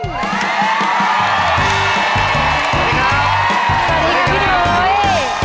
ขออนุญาต